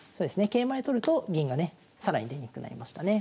桂馬で取ると銀がね更に出にくくなりましたね。